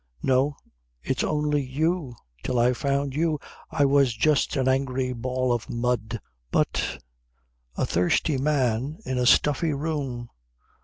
"No. It's only you. Till I found you I was just an angry ball of mud." "But " "A thirsty man in a stuffy room."